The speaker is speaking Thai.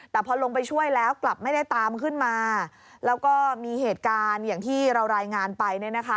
แต่พอลงไปช่วยแล้วกลับไม่ได้ตามขึ้นมาแล้วก็มีเหตุการณ์อย่างที่เรารายงานไปเนี่ยนะคะ